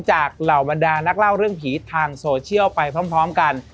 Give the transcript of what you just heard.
เหล่าบรรดานักเล่าเรื่องผีทางโซเชียลไปพร้อมกัน